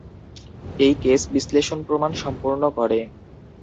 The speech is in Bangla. এই কেস বিশ্লেষণ প্রমাণ সম্পূর্ণ করে।